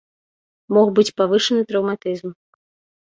Мог быць павышаны траўматызм.